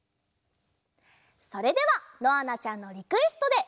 それではのあなちゃんのリクエストで。